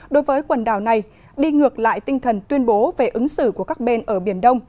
đối với quần đảo này đi ngược lại tinh thần tuyên bố về ứng xử của các bên ở biển đông